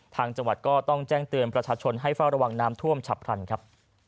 ทางจังหวัดก็ต้องแจ้งเตือนประชาชนให้เฝ้าระวังน้ำท่วมฉับพลันครับ